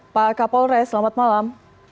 pak kapolres selamat malam